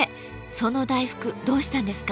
その大福どうしたんですか？